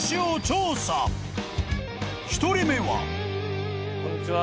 ［１人目は］こんにちは。